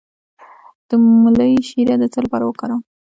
د مولی شیره د څه لپاره وکاروم؟